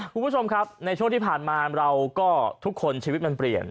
คุณผู้ชมครับในช่วงที่ผ่านมาเราก็ทุกคนชีวิตมันเปลี่ยน